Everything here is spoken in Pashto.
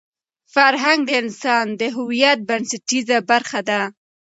فرهنګ د انسان د هویت بنسټیزه برخه ده.